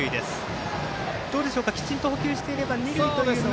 きちんと捕球していれば二塁は。